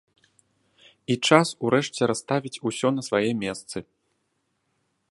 І час урэшце расставіць усё на свае месцы.